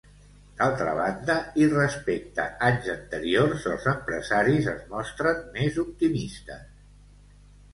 D'altra banda, i respecte anys anteriors, els empresaris es mostren més optimistes.